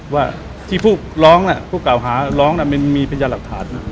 ว่าที่ผู้ร้องนะผู้เกาหาร้องมีพิญญาณหลักฐาน